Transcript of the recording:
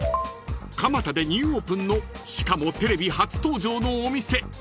［蒲田でニューオープンのしかもテレビ初登場のお店］